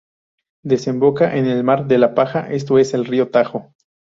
Desemboca en el mar de la Paja, esto es, en el río Tajo.